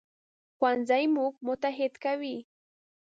ښوونځی موږ متحد کوي